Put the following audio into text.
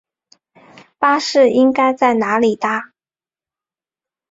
巴士应该在哪里搭？